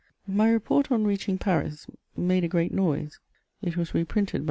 _] My report on reaching Paris made a great noise; it was reprinted by M.